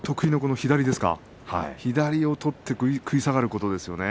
左を取って食い下がることですよね。